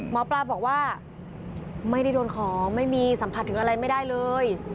หมอปลาบอกว่าไม่ได้โดนของไม่มีสัมผัสถึงอะไรไม่ได้เลย